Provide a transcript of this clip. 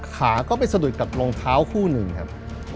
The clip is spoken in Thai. ขาก็ไปสะดุดกับรองเท้าคู่หนึ่งครับ